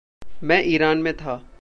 मैं ईरान में था।